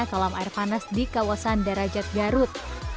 kolam air panas di kawasan darajat garut